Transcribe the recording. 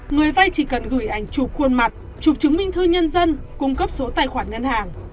người vay chỉ cần gửi ảnh chụp khuôn mặt chụp chứng minh thư nhân dân cung cấp số tài khoản ngân hàng